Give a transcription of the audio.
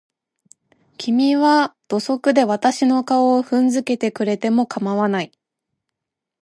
君は土足で私の顔を踏んづけてくれても構わない。